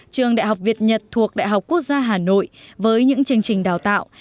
trường đại học việt nhật thuộc đại học quốc gia hà nội với những chương trình đào tạo